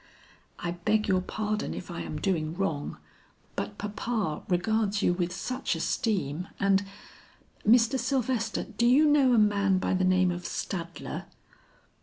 "I beg your pardon if I am doing wrong, but papa regards you with such esteem and Mr. Sylvester do you know a man by the name of Stadler?"